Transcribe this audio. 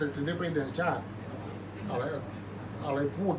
อันไหนที่มันไม่จริงแล้วอาจารย์อยากพูด